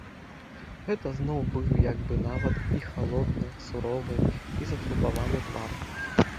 Гэта зноў быў як бы нават і халодны, суровы і затурбаваны твар.